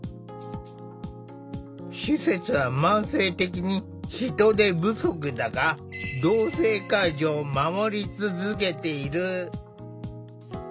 施設は慢性的に人手不足だが同性介助を守り続けている。